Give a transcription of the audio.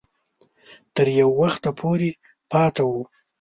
تر یو وخته پورې پاته وو.